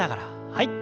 はい。